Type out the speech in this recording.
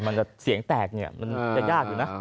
มันจะเสียงแตกเนี่ยมันจะยากอยู่นะ